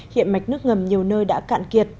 hiện mạch nước ngầm nhiều nơi đã cạn kiệt